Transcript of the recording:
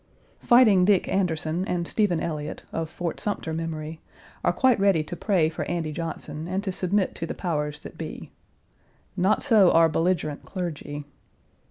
Fighting Dick Anderson and Stephen Elliott, of Fort Sumter memory, are quite ready to pray for Andy Johnson, and to submit to the powers that be. Not so our belligerent clergy.